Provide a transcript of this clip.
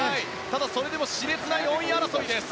それでも熾烈な４位争いです。